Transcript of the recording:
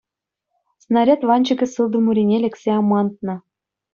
Снаряд ванчӑкӗ сылтӑм урине лексе амантнӑ.